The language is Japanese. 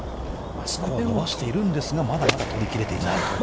スコアを伸ばしているんですがまだまだ取り切れていないとね。